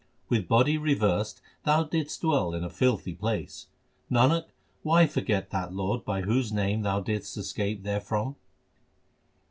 With body reversed thou didst dwell in a filthy place. Nanak, why forget that Lord by whose name thou didst escape therefrom